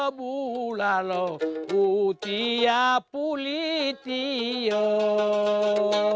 pantungi adalah jenis jenis panggung yang terkenal di tanah gorontalo